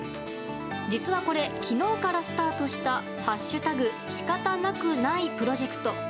実はこれ、昨日からスタートした「＃しかたなくない」プロジェクト。